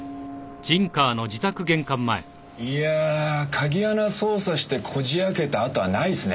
いや鍵穴操作してこじ開けた跡はないですね。